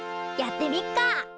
やってみっか。